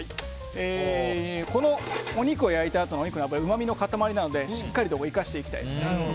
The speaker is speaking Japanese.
このお肉を焼いたあとのお肉の脂はうまみの塊なのでしっかりと生かしていきたいです。